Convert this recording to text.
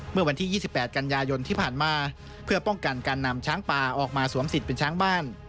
เมื่อวันที่๒๘กันยายนที่ผ่านมาเพื่อป้องกันการนำช้างป่าออกมาสวมสิทธิ์เป็นช้างบ้าน